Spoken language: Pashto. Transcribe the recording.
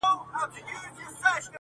مګر تا له خلکو نه دي اورېدلي؟ -